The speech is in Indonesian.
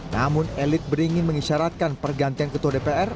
namun elit beringin mengisyaratkan pergantian ketua dpr